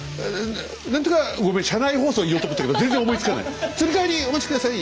何とかごめん車内放送言おうと思ったけど全然思いつかない。